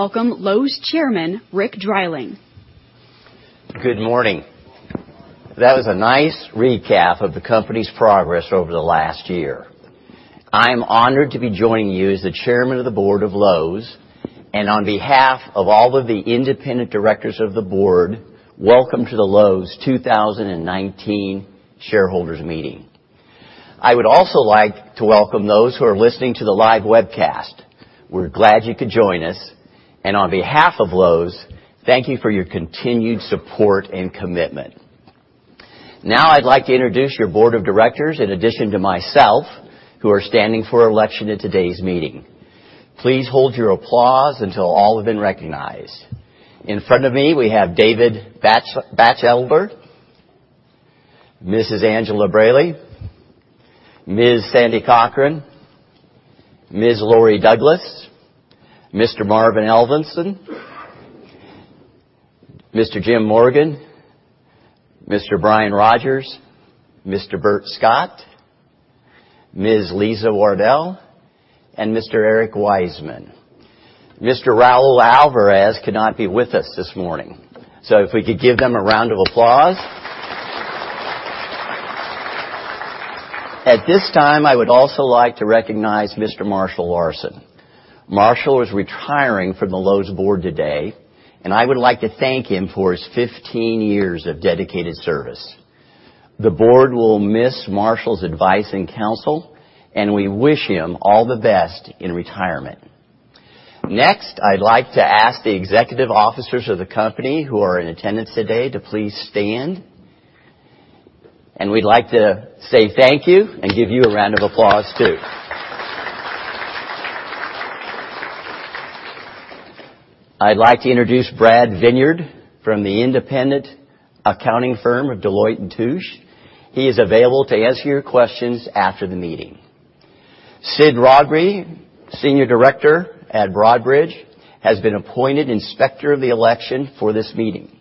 Welcome Lowe's Chairman, Rick Dreiling. Good morning. That was a nice recap of the company's progress over the last year. I am honored to be joining you as the Chairman of the Board of Lowe's. On behalf of all of the independent directors of the board, welcome to the Lowe's 2019 shareholders meeting. I would also like to welcome those who are listening to the live webcast. We're glad you could join us. On behalf of Lowe's, thank you for your continued support and commitment. Now I'd like to introduce your board of directors, in addition to myself, who are standing for election at today's meeting. Please hold your applause until all have been recognized. In front of me, we have David Batchelder, Mrs. Angela Braly, Ms. Sandy Cochran, Ms. Lori Douglas, Mr. Marvin Ellison, Mr. Jim Morgan, Mr. Brian Rogers, Mr. Bert Scott, Ms. Lisa Wardell, and Mr. Eric Wiseman. Mr. Raul Alvarez could not be with us this morning. If we could give them a round of applause. At this time, I would also like to recognize Mr. Marshall Larsen. Marshall is retiring from the Lowe's board today, and I would like to thank him for his 15 years of dedicated service. The board will miss Marshall's advice and counsel, and we wish him all the best in retirement. Next, I'd like to ask the executive officers of the company who are in attendance today to please stand, and we'd like to say thank you and give you a round of applause, too. I'd like to introduce Brad Vineyard from the independent accounting firm of Deloitte & Touche. He is available to answer your questions after the meeting. Sid Rodri, Senior Director at Broadridge Financial Solutions, has been appointed Inspector of the Election for this meeting,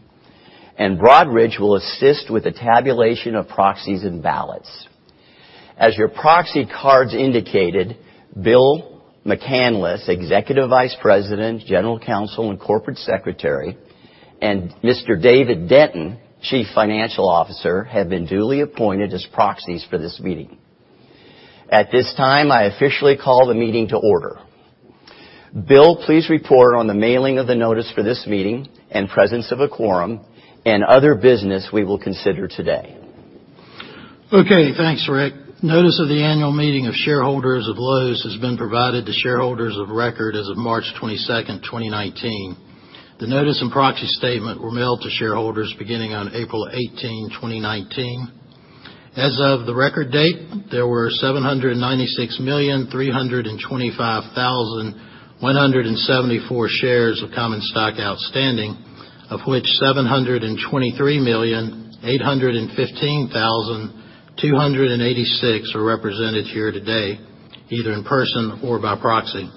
and Broadridge Financial Solutions will assist with the tabulation of proxies and ballots. As your proxy cards indicated, Bill McCanless, Executive Vice President, General Counsel, and Corporate Secretary, and Mr. David Denton, Chief Financial Officer, have been duly appointed as proxies for this meeting. At this time, I officially call the meeting to order. Bill, please report on the mailing of the notice for this meeting, and presence of a quorum, and other business we will consider today. Okay. Thanks, Rick. Notice of the annual meeting of shareholders of Lowe's has been provided to shareholders of record as of March 22, 2019. The notice and proxy statement were mailed to shareholders beginning on April 18, 2019. As of the record date, there were 796,325,174 shares of common stock outstanding, of which 723,815,286 are represented here today, either in person or by proxy.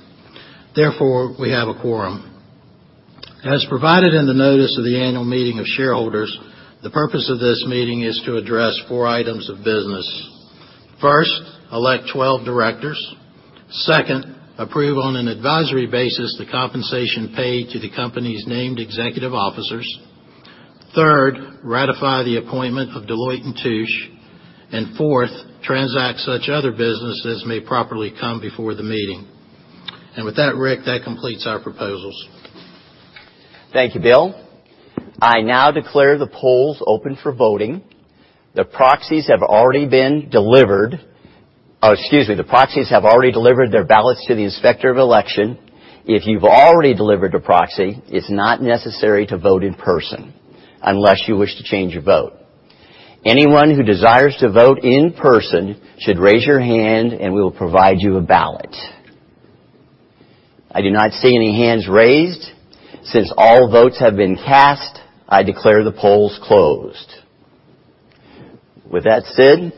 Therefore, we have a quorum. As provided in the notice of the annual meeting of shareholders, the purpose of this meeting is to address four items of business. First, elect 12 directors. Second, approve on an advisory basis the compensation paid to the company's named executive officers. Third, ratify the appointment of Deloitte & Touche. Fourth, transact such other businesses may properly come before the meeting. With that, Rick, that completes our proposals. Thank you, Bill. I now declare the polls open for voting. The proxies have already delivered their ballots to the Inspector of Election. If you've already delivered a proxy, it's not necessary to vote in person unless you wish to change your vote. Anyone who desires to vote in person should raise your hand, and we will provide you a ballot. I do not see any hands raised. Since all votes have been cast, I declare the polls closed. With that said,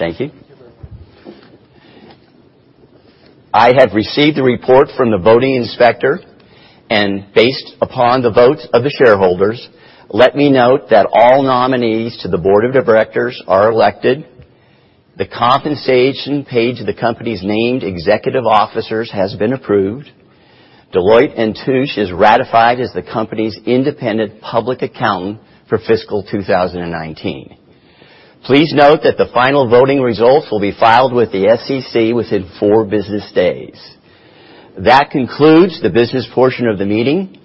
thank you. Thank you very much. I have received the report from the voting inspector. Based upon the votes of the shareholders, let me note that all nominees to the board of directors are elected. The compensation paid to the company's named executive officers has been approved. Deloitte & Touche is ratified as the company's independent public accountant for fiscal 2019. Please note that the final voting results will be filed with the SEC within four business days. That concludes the business portion of the meeting.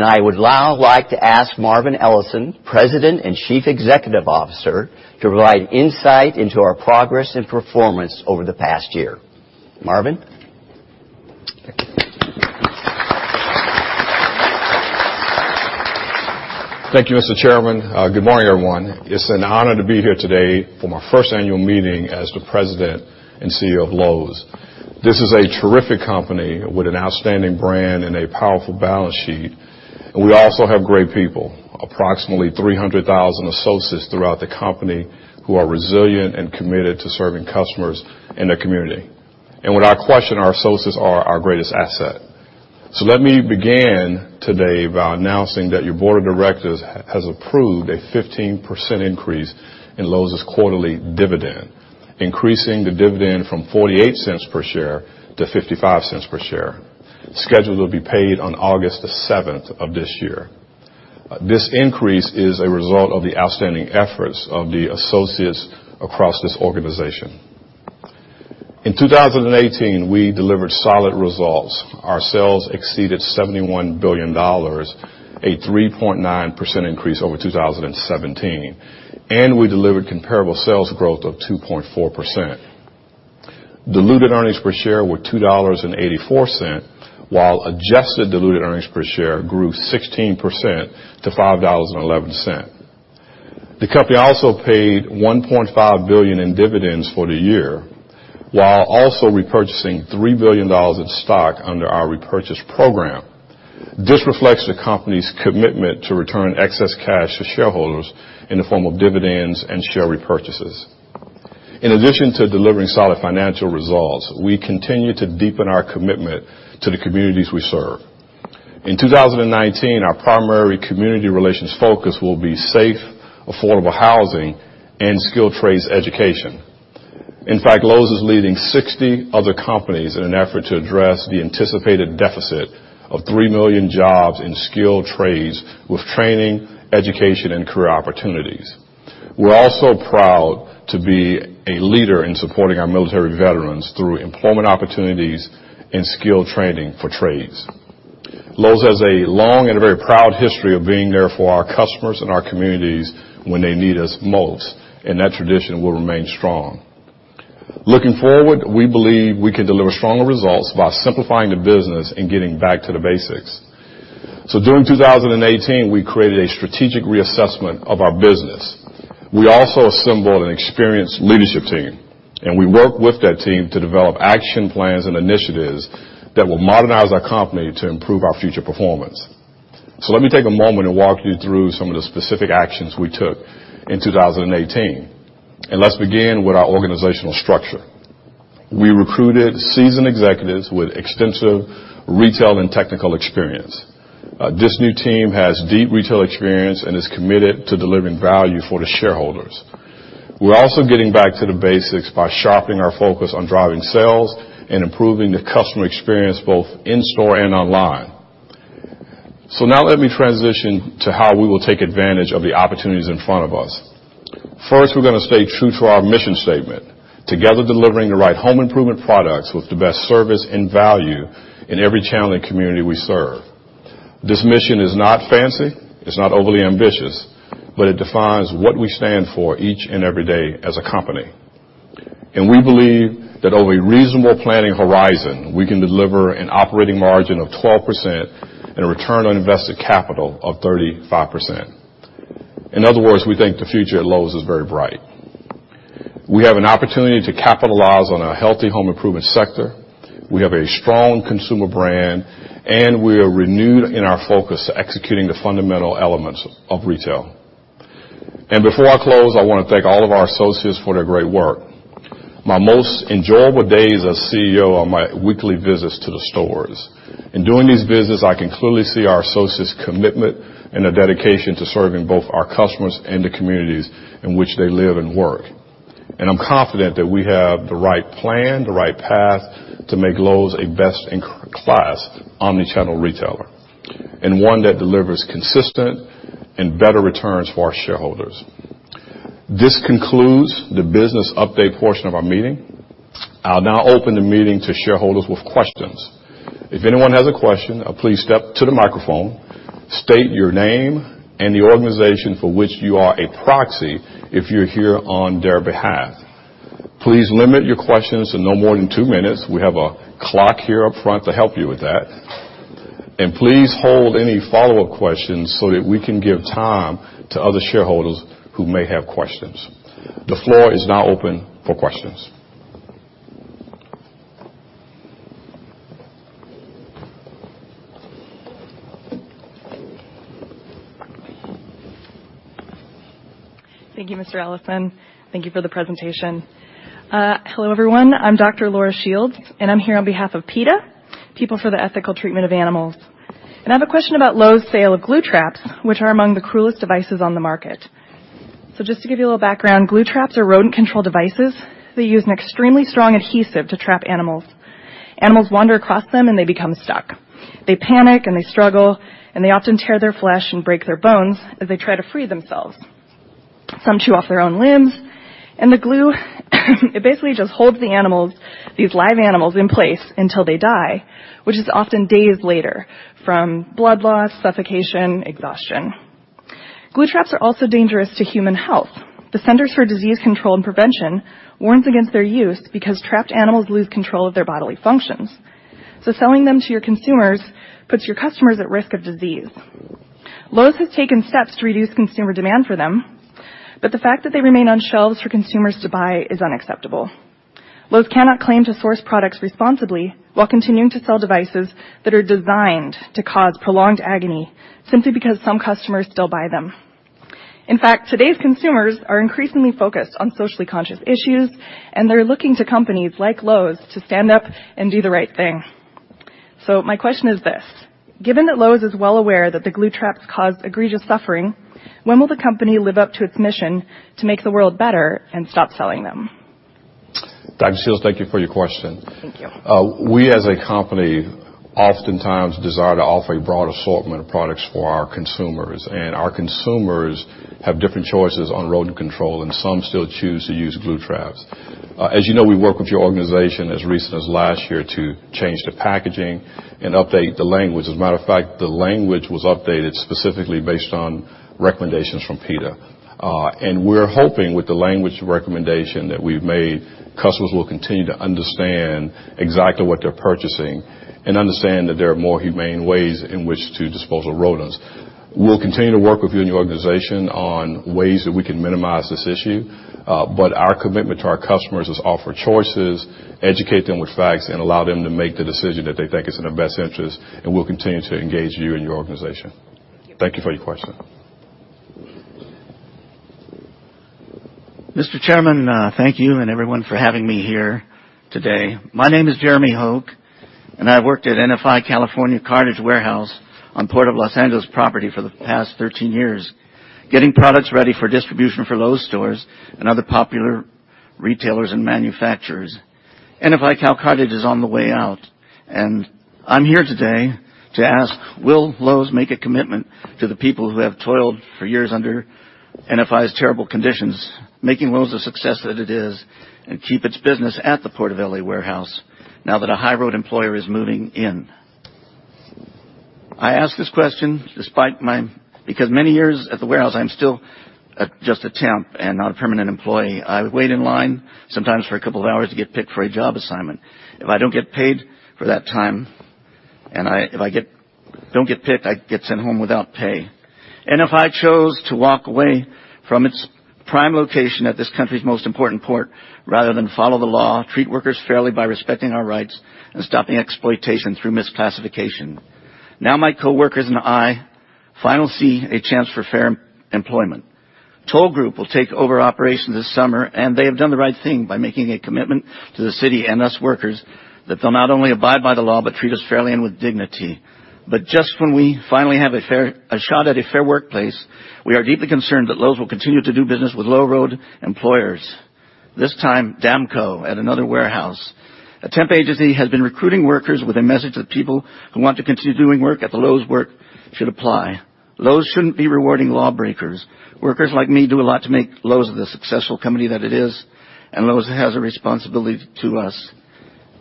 I would now like to ask Marvin Ellison, President and Chief Executive Officer, to provide insight into our progress and performance over the past year. Marvin? Thank you. Thank you, Mr. Chairman. Good morning, everyone. It's an honor to be here today for my first annual meeting as the President and CEO of Lowe's. This is a terrific company with an outstanding brand and a powerful balance sheet. We also have great people, approximately 300,000 associates throughout the company who are resilient and committed to serving customers in their community. Without question, our associates are our greatest asset. So let me begin today by announcing that your board of directors has approved a 15% increase in Lowe's quarterly dividend, increasing the dividend from $0.48 per share to $0.55 per share, scheduled to be paid on August the 7th of this year. This increase is a result of the outstanding efforts of the associates across this organization. In 2018, we delivered solid results. Our sales exceeded $71 billion, a 3.9% increase over 2017. We delivered comparable sales growth of 2.4%. Diluted earnings per share were $2.84, while adjusted diluted earnings per share grew 16% to $5.11. The company also paid $1.5 billion in dividends for the year, while also repurchasing $3 billion in stock under our repurchase program. This reflects the company's commitment to return excess cash to shareholders in the form of dividends and share repurchases. In addition to delivering solid financial results, we continue to deepen our commitment to the communities we serve. In 2019, our primary community relations focus will be safe, affordable housing and skilled trades education. In fact, Lowe's is leading 60 other companies in an effort to address the anticipated deficit of three million jobs in skilled trades with training, education, and career opportunities. We're also proud to be a leader in supporting our military veterans through employment opportunities and skilled training for trades. Lowe's has a long and a very proud history of being there for our customers and our communities when they need us most. That tradition will remain strong. Looking forward, we believe we can deliver stronger results by simplifying the business and getting back to the basics. During 2018, we created a strategic reassessment of our business. We also assembled an experienced leadership team. We worked with that team to develop action plans and initiatives that will modernize our company to improve our future performance. Let me take a moment and walk you through some of the specific actions we took in 2018. Let's begin with our organizational structure. We recruited seasoned executives with extensive retail and technical experience. This new team has deep retail experience and is committed to delivering value for the shareholders. We're also getting back to the basics by sharpening our focus on driving sales and improving the customer experience, both in store and online. Now let me transition to how we will take advantage of the opportunities in front of us. First, we're going to stay true to our mission statement, together, delivering the right home improvement products with the best service and value in every channel and community we serve. This mission is not fancy, it's not overly ambitious, but it defines what we stand for each and every day as a company. We believe that over a reasonable planning horizon, we can deliver an operating margin of 12% and a return on invested capital of 35%. In other words, we think the future at Lowe's is very bright. We have an opportunity to capitalize on a healthy home improvement sector. We have a strong consumer brand, and we are renewed in our focus executing the fundamental elements of retail. Before I close, I want to thank all of our associates for their great work. My most enjoyable days as CEO are my weekly visits to the stores. In doing these visits, I can clearly see our associates' commitment and their dedication to serving both our customers and the communities in which they live and work. I'm confident that we have the right plan, the right path to make Lowe's a best-in-class omni-channel retailer, and one that delivers consistent and better returns for our shareholders. This concludes the business update portion of our meeting. I'll now open the meeting to shareholders with questions. If anyone has a question, please step to the microphone, state your name and the organization for which you are a proxy, if you're here on their behalf. Please limit your questions to no more than two minutes. We have a clock here up front to help you with that. Please hold any follow-up questions so that we can give time to other shareholders who may have questions. The floor is now open for questions. Thank you, Mr. Ellison. Thank you for the presentation. Hello, everyone. I'm Dr. Laura Shields, and I'm here on behalf of PETA, People for the Ethical Treatment of Animals. I have a question about Lowe's sale of glue traps, which are among the cruelest devices on the market. Just to give you a little background, glue traps are rodent control devices that use an extremely strong adhesive to trap animals. Animals wander across them, and they become stuck. They panic, and they struggle, and they often tear their flesh and break their bones as they try to free themselves. Some chew off their own limbs. The glue basically just holds the animals, these live animals, in place until they die, which is often days later from blood loss, suffocation, exhaustion. Glue traps are also dangerous to human health. The Centers for Disease Control and Prevention warns against their use because trapped animals lose control of their bodily functions. Selling them to your consumers puts your customers at risk of disease. Lowe's has taken steps to reduce consumer demand for them, but the fact that they remain on shelves for consumers to buy is unacceptable. Lowe's cannot claim to source products responsibly while continuing to sell devices that are designed to cause prolonged agony simply because some customers still buy them. Today's consumers are increasingly focused on socially conscious issues, and they're looking to companies like Lowe's to stand up and do the right thing. My question is this: given that Lowe's is well aware that the glue traps cause egregious suffering, when will the company live up to its mission to make the world better and stop selling them? Dr. Shields, thank you for your question. Thank you. We as a company, oftentimes desire to offer a broad assortment of products for our consumers. Our consumers have different choices on rodent control, and some still choose to use glue traps. As you know, we worked with your organization as recent as last year to change the packaging and update the language. As a matter of fact, the language was updated specifically based on recommendations from PETA. We're hoping with the language recommendation that we've made, customers will continue to understand exactly what they're purchasing and understand that there are more humane ways in which to dispose of rodents. We'll continue to work with you and your organization on ways that we can minimize this issue. Our commitment to our customers is offer choices, educate them with facts, and allow them to make the decision that they think is in their best interest, and we'll continue to engage you and your organization. Thank you for your question. Mr. Chairman, thank you and everyone for having me here today. My name is Jeremy Hogue, and I worked at NFI California Cartage warehouse on Port of L.A. property for the past 13 years, getting products ready for distribution for Lowe's stores and other popular retailers and manufacturers. NFI Cal Cartage is on the way out, and I'm here today to ask, will Lowe's make a commitment to the people who have toiled for years under NFI's terrible conditions, making Lowe's the success that it is, and keep its business at the Port of L.A. warehouse now that a high road employer is moving in? I ask this question, because many years at the warehouse, I'm still just a temp and not a permanent employee. I wait in line sometimes for a couple of hours to get picked for a job assignment. If I don't get paid for that time and if I don't get picked, I get sent home without pay. NFI chose to walk away from its prime location at this country's most important port rather than follow the law, treat workers fairly by respecting our rights, and stopping exploitation through misclassification. Now, my coworkers and I finally see a chance for fair employment. Toll Group will take over operations this summer, and they have done the right thing by making a commitment to the city and us workers that they'll not only abide by the law, but treat us fairly and with dignity. Just when we finally have a shot at a fair workplace, we are deeply concerned that Lowe's will continue to do business with low road employers. This time, Damco at another warehouse. A temp agency has been recruiting workers with a message that people who want to continue doing work at the Lowe's work should apply. Lowe's shouldn't be rewarding lawbreakers. Workers like me do a lot to make Lowe's the successful company that it is, Lowe's has a responsibility to us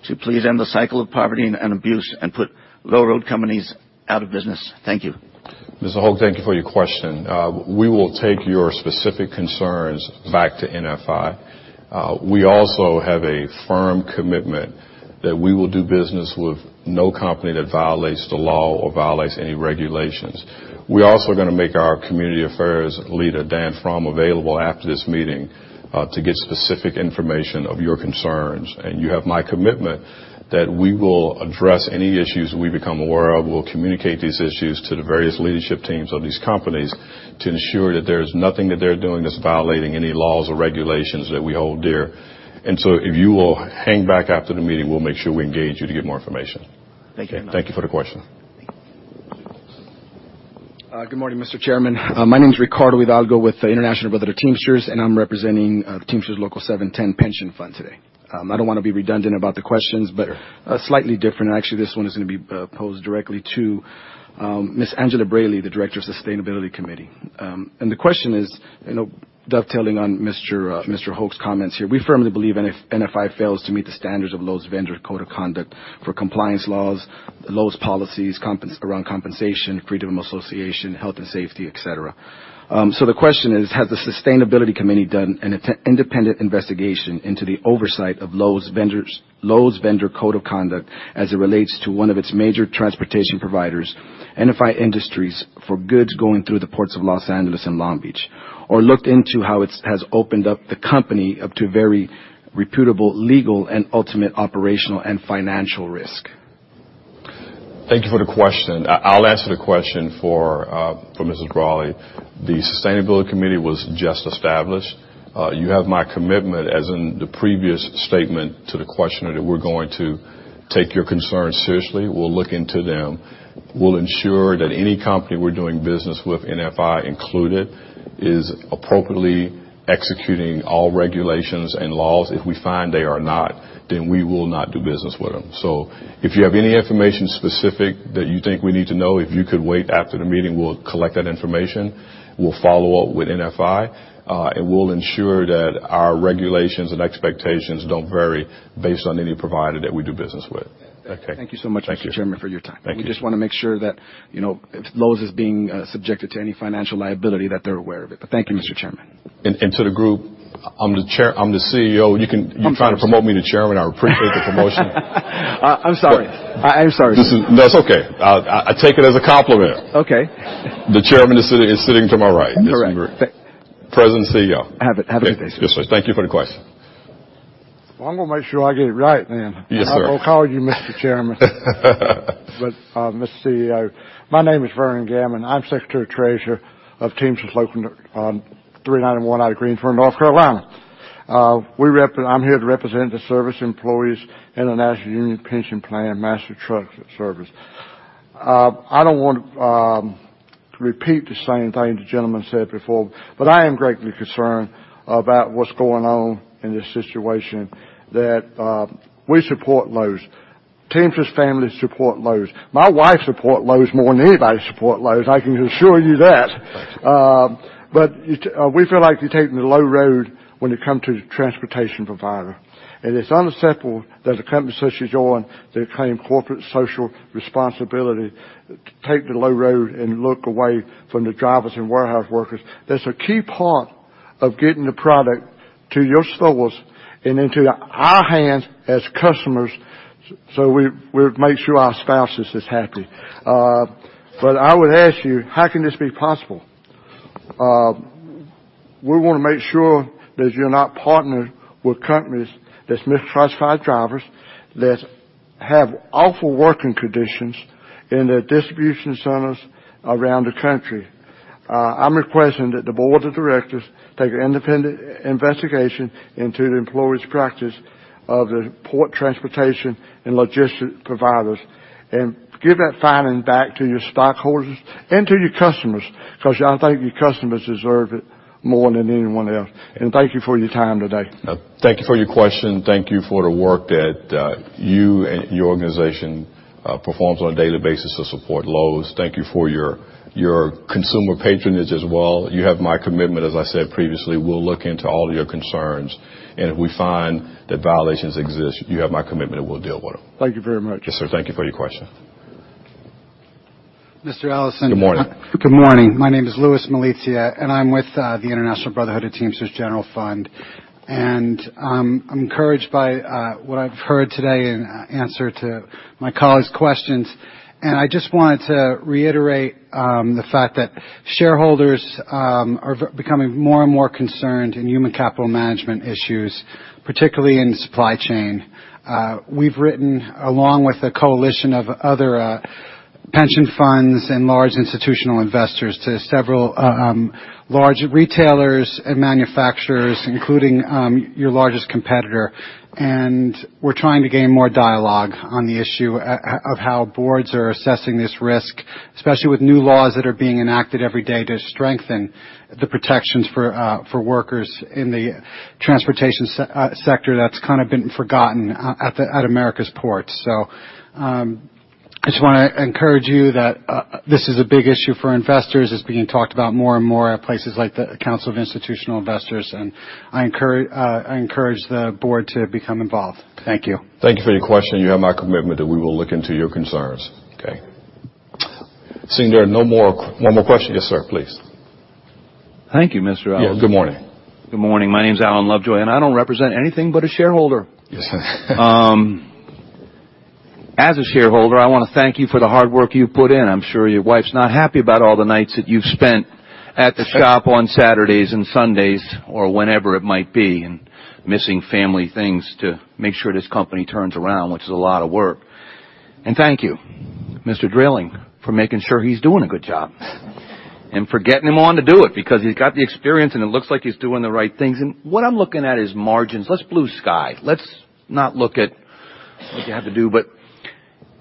to please end the cycle of poverty and abuse and put low road companies out of business. Thank you. Mr. Hogue, thank you for your question. We will take your specific concerns back to NFI. We also have a firm commitment that we will do business with no company that violates the law or violates any regulations. We're also going to make our community affairs leader, Dan Frahm, available after this meeting to get specific information of your concerns. You have my commitment that we will address any issues we become aware of. We'll communicate these issues to the various leadership teams of these companies to ensure that there is nothing that they're doing that's violating any laws or regulations that we hold dear. If you will hang back after the meeting, we'll make sure we engage you to get more information. Thank you very much. Thank you for the question. Thank you. Good morning, Mr. Chairman. My name's Ricardo Hidalgo with the International Brotherhood of Teamsters. I'm representing the Teamsters Local 710 pension fund today. I don't want to be redundant about the questions. Sure Slightly different, actually, this one is going to be posed directly to Ms. Angela Braly, the Director of Sustainability Committee. The question is, dovetailing on Mr. Hogue's comments here. We firmly believe NFI fails to meet the standards of Lowe's vendor code of conduct for compliance laws, Lowe's policies around compensation, freedom of association, health and safety, et cetera. The question is: has the Sustainability Committee done an independent investigation into the oversight of Lowe's vendor code of conduct as it relates to one of its major transportation providers, NFI Industries, for goods going through the ports of Los Angeles and Long Beach, or looked into how it has opened up the company up to very reputable, legal, and ultimate operational and financial risk? Thank you for the question. I'll answer the question for Mrs. Braly. The sustainability committee was just established. You have my commitment, as in the previous statement to the questioner, that we're going to take your concerns seriously. We'll look into them. We'll ensure that any company we're doing business with, NFI included, is appropriately executing all regulations and laws. If we find they are not, we will not do business with them. If you have any information specific that you think we need to know, if you could wait after the meeting, we'll collect that information. We'll follow up with NFI. We'll ensure that our regulations and expectations don't vary based on any provider that we do business with. Thank you. Okay. Thank you so much. Thank you. Mr. Chairman, for your time. Thank you. We just want to make sure that if Lowe's is being subjected to any financial liability, that they're aware of it. Thank you, Mr. Chairman. To the group, I'm the CEO. I'm sorry you're trying to promote me to chairman. I appreciate the promotion. I'm sorry. I am sorry. No, it's okay. I take it as a compliment. Okay. The Chairman is sitting to my right. Correct. President, CEO. Have a good day, sir. Yes, sir. Thank you for the question. Well, I'm going to make sure I get it right then. Yes, sir. I won't call you Mr. Chairman. Mr. CEO. My name is Vernon Gammon. I'm Secretary Treasurer of Teamsters Local 391 out of Greensboro, North Carolina. I'm here to represent the SEIU National Industry Pension Fund, Master Trust service. I don't want to repeat the same thing the gentleman said before, I am greatly concerned about what's going on in this situation that we support Lowe's. Teamsters families support Lowe's. My wife support Lowe's more than anybody support Lowe's, I can assure you that. Thanks. We feel like you're taking the low road when it come to transportation provider. It's unacceptable that a company such as your own, that claim corporate social responsibility, take the low road and look away from the drivers and warehouse workers. That's a key part of getting the product to your stores and into our hands as customers so we make sure our spouses is happy. I would ask you, how can this be possible? We want to make sure that you're not partnered with companies that's misclassified drivers, that have awful working conditions in their distribution centers around the country. I'm requesting that the board of directors take an independent investigation into the employee's practice of the port transportation and logistic providers, and give that finding back to your stockholders and to your customers, because I think your customers deserve it more than anyone else. Thank you for your time today. Thank you for your question. Thank you for the work that you and your organization performs on a daily basis to support Lowe's. Thank you for your consumer patronage as well. You have my commitment, as I said previously, we'll look into all of your concerns, and if we find that violations exist, you have my commitment that we'll deal with them. Thank you very much. Yes, sir. Thank you for your question. Marvin Ellison. Good morning. Good morning. My name is Louis Malizia, and I'm with the International Brotherhood of Teamsters General Fund. I'm encouraged by what I've heard today in answer to my colleague's questions. I just wanted to reiterate the fact that shareholders are becoming more and more concerned in human capital management issues, particularly in supply chain. We've written along with a coalition of other pension funds and large institutional investors to several large retailers and manufacturers, including your largest competitor. We're trying to gain more dialogue on the issue of how boards are assessing this risk, especially with new laws that are being enacted every day to strengthen the protections for workers in the transportation sector that's kind of been forgotten at America's ports. I just want to encourage you that this is a big issue for investors. It's being talked about more and more at places like the Council of Institutional Investors, and I encourage the board to become involved. Thank you. Thank you for your question. You have my commitment that we will look into your concerns. Okay. Seeing there are no more. One more question. Yes, sir. Please. Thank you, Marvin Ellison. Yeah. Good morning. Good morning. My name's Alan Lovejoy. I don't represent anything but a shareholder. Yes, sir. As a shareholder, I want to thank you for the hard work you put in. I'm sure your wife's not happy about all the nights that you've spent at the shop on Saturdays and Sundays or whenever it might be, missing family things to make sure this company turns around, which is a lot of work. Thank you, Richard Dreiling, for making sure he's doing a good job. For getting him on to do it because he's got the experience and it looks like he's doing the right things. What I'm looking at is margins. Let's blue sky. Let's not look at what you have to do, but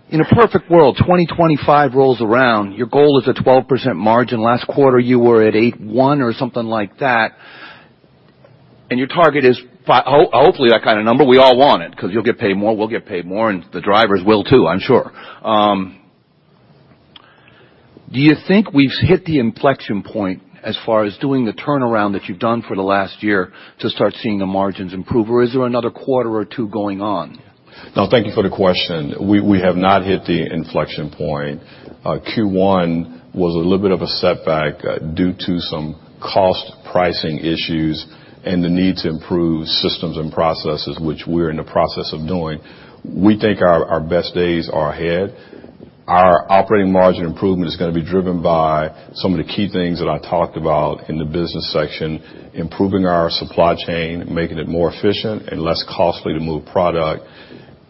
in a perfect world, 2025 rolls around, your goal is a 12% margin. Last quarter you were at 8.1% or something like that. Your target is hopefully that kind of number. We all want it because you'll get paid more, we'll get paid more, and the drivers will too, I'm sure. Do you think we've hit the inflection point as far as doing the turnaround that you've done for the last year to start seeing the margins improve, or is there another quarter or two going on? No, thank you for the question. We have not hit the inflection point. Q1 was a little bit of a setback due to some cost pricing issues and the need to improve systems and processes, which we're in the process of doing. We think our best days are ahead. Our operating margin improvement is going to be driven by some of the key things that I talked about in the business section, improving our supply chain, making it more efficient and less costly to move product.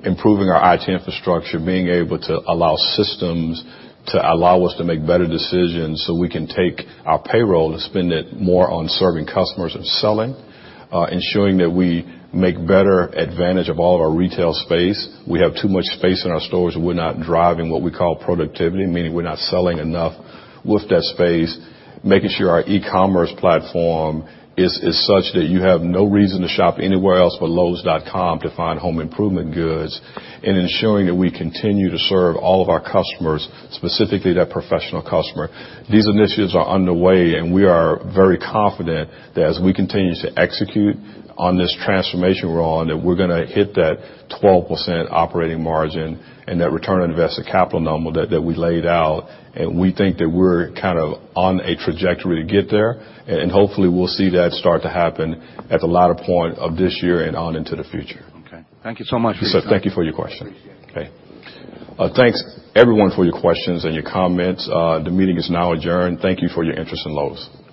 Improving our IT infrastructure, being able to allow systems to allow us to make better decisions so we can take our payroll and spend it more on serving customers and selling. Ensuring that we make better advantage of all of our retail space. We have too much space in our stores and we're not driving what we call productivity, meaning we're not selling enough with that space. Making sure our e-commerce platform is such that you have no reason to shop anywhere else but lowes.com to find home improvement goods. Ensuring that we continue to serve all of our customers, specifically that professional customer. These initiatives are underway, and we are very confident that as we continue to execute on this transformation we're on, that we're going to hit that 12% operating margin and that return on invested capital number that we laid out. We think that we're kind of on a trajectory to get there. Hopefully, we'll see that start to happen at the latter point of this year and on into the future. Okay. Thank you so much for your time. Yes, sir. Thank you for your question. Appreciate it. Okay. Thanks everyone for your questions and your comments. The meeting is now adjourned. Thank you for your interest in Lowe's.